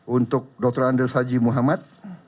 untuk dr andes haji muhammad